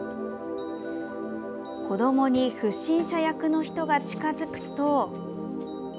子どもに不審者役の人が近づくと。